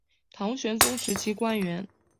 唐玄宗时期官员。